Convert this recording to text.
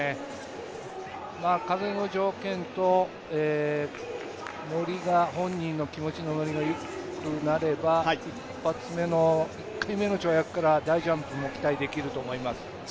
風の条件と本人の気持ちのノリがよくなれば１発目の１回目の跳躍から大ジャンプも期待できると思います。